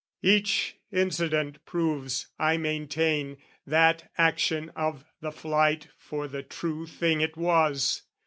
Each incident Proves, I maintain, that action of the flight For the true thing it was.